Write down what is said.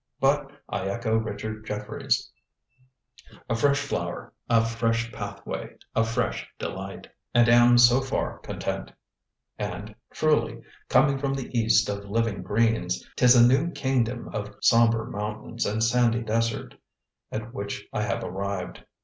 But I echo Richard Jefferies: "a fresh flower, a fresh path way, a fresh delight," and am so far content; and, truly, coming from the east of living greens, 'tis a new kingdom of somber mountains and sandy desert at which I have arrived.